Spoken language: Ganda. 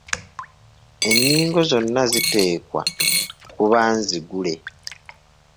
Ennyingo zonna ziteekwa kuba nzigule.